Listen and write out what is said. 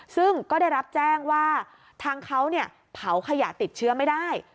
ซึ่งก็ได้รับแจ้งว่าทางเขาเผาขยะติดเชื้อไม่ได้